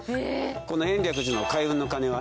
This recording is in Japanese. この延暦寺の開運の鐘は。